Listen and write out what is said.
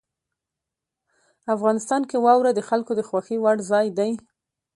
افغانستان کې واوره د خلکو د خوښې وړ ځای دی.